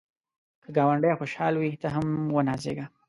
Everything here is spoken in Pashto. که ګاونډی خوشحال وي، ته هم ونازېږه